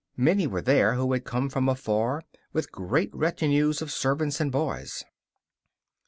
Many were there who had come from afar with large retinues of servants and boys.